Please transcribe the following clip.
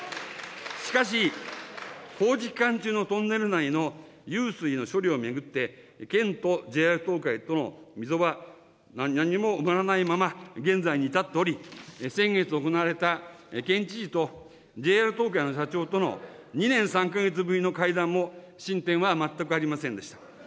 しかし、工事期間中のトンネル内の湧水の処理を巡って、県とＪＲ東海との溝は何も埋まらないまま、現在に至っており、先月行われた県知事とＪＲ東海の社長との２年３か月ぶりの会談も進展は全くありませんでした。